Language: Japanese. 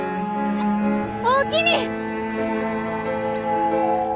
おおきに！